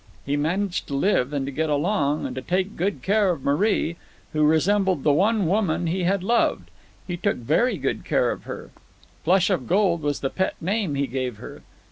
He managed to live, and to get along, and to take good care of Marie, who resembled the one woman he had loved. He took very good care of her. Flush of Gold was the pet name he gave her.